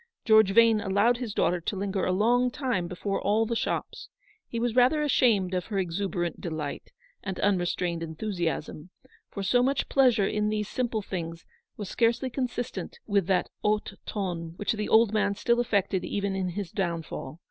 George Vane allowed his daughter to linger a long time before all the shops. He was rather ashamed of her exu berant delight, and unrestrained enthusiasm; for so much pleasure in these simple things was scarcely consistent with that haut ton which the old man still affected even in his downfall.